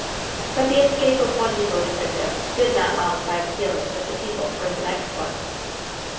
But the escape of one devoted victim did not mollify the feelings of the people toward the next one.